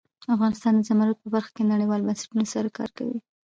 افغانستان د زمرد په برخه کې نړیوالو بنسټونو سره کار کوي.